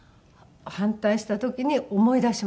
反対した時に思い出しましたね。